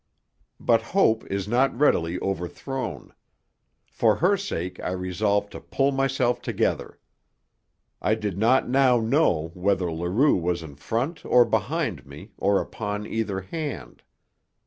But hope is not readily overthrown. For her sake I resolved to pull myself together. I did not now know whether Leroux was in front or behind me, or upon either hand.